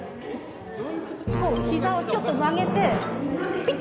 膝をちょっと曲げて。